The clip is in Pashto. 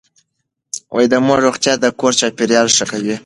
د مور روغتيا د کور چاپېريال ښه کوي.